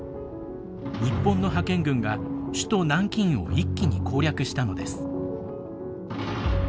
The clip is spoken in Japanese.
日本の派遣軍が首都南京を一気に攻略したのです。